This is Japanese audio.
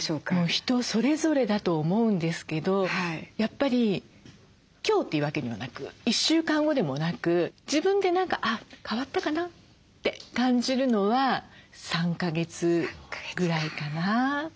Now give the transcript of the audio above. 人それぞれだと思うんですけどやっぱり今日というわけにはなく１週間後でもなく自分で何かあっ変わったかなって感じるのは３か月ぐらいかな。